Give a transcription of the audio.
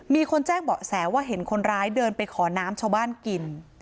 มีคนแจ้งเบาะแสว่าเห็นคนร้ายเดินไปขอน้ำชาวบ้านกิน